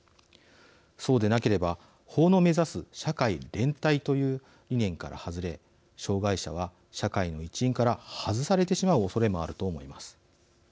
そうでなければ法の目指す社会連帯という理念から外れ障害者は社会の一員から外されてしまうおそれもあると思います。